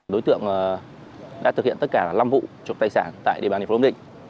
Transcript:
đối tượng đã thực hiện tất cả năm vụ trộm tài sản tại địa bàn thành phố nam định